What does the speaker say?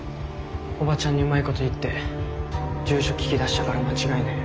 オバチャンにうまいこと言って住所聞き出したから間違いねえ。